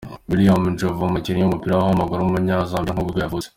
William Njovu, umukinnyi w’umupira w’amaguru w’umunyazambiya nibwo yavutse.